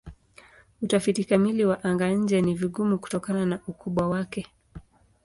Utafiti kamili wa anga-nje ni vigumu kutokana na ukubwa wake.